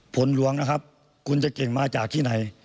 หลวงนะครับคุณจะเก่งมาจากที่ไหน